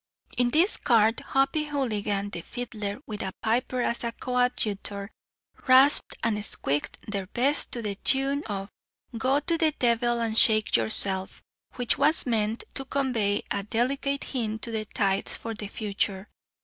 In this cart, Hoppy Houligan, the fiddler, with a piper as a coadjutor, rasped and squeaked their best to the tune of "Go to the devil and shake yourself," which was meant to convey a delicate hint to the tithes for the future.